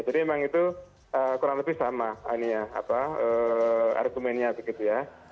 jadi memang itu kurang lebih sama argumentnya begitu ya